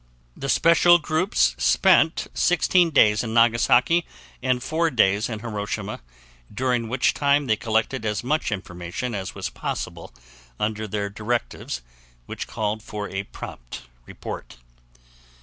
The special groups spent 16 days in Nagasaki and 4 days in Hiroshima, during which time they collected as much information as was possible under their directives which called for a prompt report.